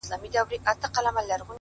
عجیبه ده لېونی آمر مي وایي _